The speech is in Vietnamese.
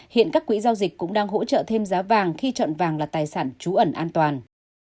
hiện các quỹ giao dịch cũng đang hỗ trợ thêm giá vàng khi chọn vàng là tài sản trú ẩn an toàn